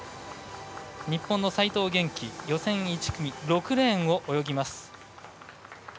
日本の齋藤元希、予選１組６レーンを泳ぎます。